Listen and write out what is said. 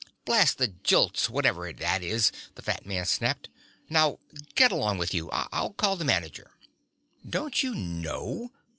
"Blast the Jilts, whatever that is!" the fat man snapped. "Now, get along with you. I'll call the manager." "Don't you know?"